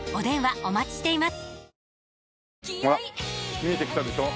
見えてきたでしょ？